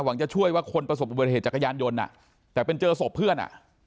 หวังจะช่วยว่าคนประสบบอุบัติเหตุจักรยานยนต์แต่มันเจอสมศ่น